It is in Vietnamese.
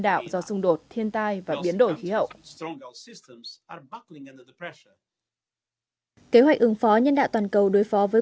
đạo do xung đột thiên tai và biến đổi khí hậu kế hoạch ứng phó nhân đạo toàn cầu đối phó với